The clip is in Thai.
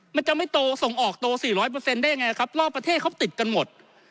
มันจะไม่โตส่งออกโต๔๐๐ได้ยังไงครับรอบประเทศเขาติดกันหมด